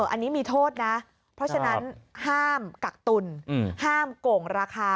อันนี้มีโทษนะเพราะฉะนั้นห้ามกักตุลห้ามโก่งราคา